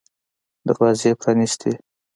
دروازې پرانیستې وې.